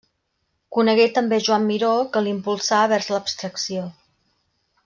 Conegué també Joan Miró que l'impulsà vers l'abstracció.